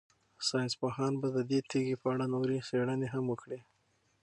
ساینس پوهان به د دې تیږې په اړه نورې څېړنې هم وکړي.